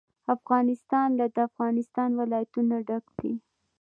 افغانستان له د افغانستان ولايتونه ډک دی.